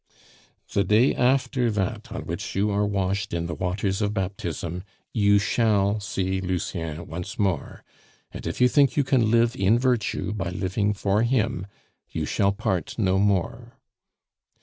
"The day after that on which you are washed in the waters of baptism you shall see Lucien once more; and if you think you can live in virtue by living for him, you shall part no more."